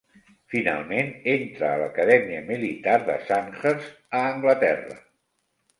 Finalment entrà a l'Acadèmia militar de Sandhurst, a Anglaterra.